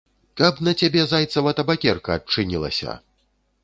Каб на цябе зайцава табакерка адчынілася.